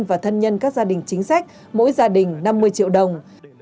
và thân nhân các gia đình chính sách mỗi gia đình năm mươi triệu đồng